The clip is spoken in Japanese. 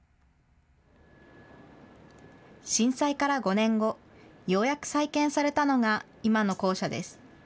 震災から５年後、ようやく再建されたのが今の校舎です。